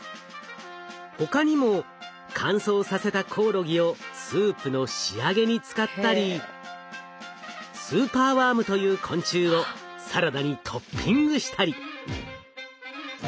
他にも乾燥させたコオロギをスープの仕上げに使ったりスーパーワームという昆虫をサラダにトッピングしたり。